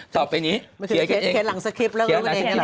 ต่อไปนี้เขียน๒๙สักวันเขียนหลังสกริป